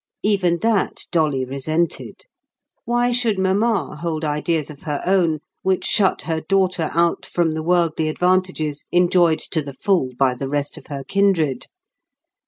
Even that Dolly resented; why should mamma hold ideas of her own which shut her daughter out from the worldly advantages enjoyed to the full by the rest of her kindred?